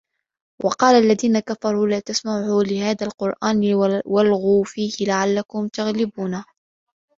وَقالَ الَّذينَ كَفَروا لا تَسمَعوا لِهذَا القُرآنِ وَالغَوا فيهِ لَعَلَّكُم تَغلِبونَ